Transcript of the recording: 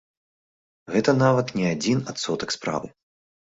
Гэта нават не адзін адсотак справы!